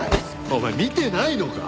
お前見てないのか？